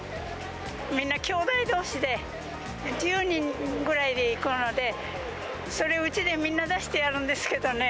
みんな、きょうだいどうしで１０人ぐらいで行くので、それをうちでみんな出してやるんですけどね。